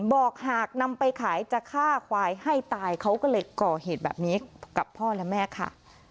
หากนำไปขายจะฆ่าควายให้ตายเขาก็เลยก่อเหตุแบบนี้กับพ่อและแม่ค่ะ